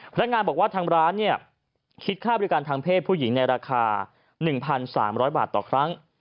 พนักงานบอกว่าทางร้านคิดค่าบริการทางเพศผู้หญิงในราคา๑๓๐๐บาทต่อครั้ง